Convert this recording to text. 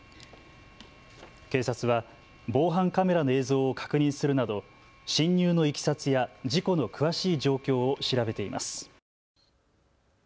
警察は防犯カメラの映像を確認するなど進入のいきさつや事故の詳しい状況を調べています。